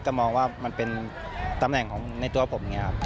ก็มองว่ามันเป็นตำแหน่งของในตัวผมอย่างนี้ครับ